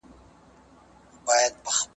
ډیپلوماټیک پیغامونه باید روښانه او رښتیني وي.